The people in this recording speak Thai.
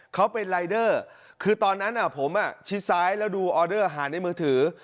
เขาเป็นรายเดอร์คือตอนนั้นผมชิดซ้ายแล้วดูออเดอร์อาหารในมือถือ